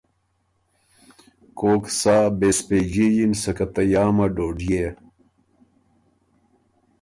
کوک سا بېسپېجي یِن سکه ته یامه ډوډيې۔